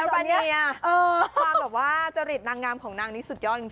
เป็นไงความแบบว่าจริตนางงามของนางนี้สุดยอดจริง